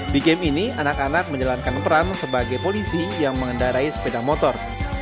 di game ini anak anak menjalankan peran sebagai polisi yang mengendarai sepeda motor